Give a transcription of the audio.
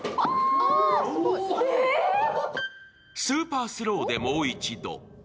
スーパースローてもう一度。